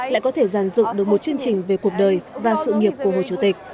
lại có thể giàn dựng được một chương trình về cuộc đời và sự nghiệp của hồ chí minh